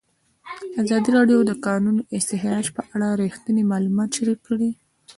ازادي راډیو د د کانونو استخراج په اړه رښتیني معلومات شریک کړي.